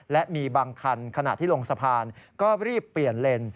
และมีบางคันขณะที่ลงสะพานก็รีบเปลี่ยนเลน